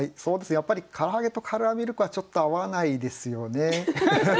やっぱり唐揚げとカルアミルクはちょっと合わないですよね。